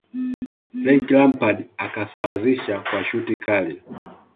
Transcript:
frank lampard akasawazisha kwa shuti Kali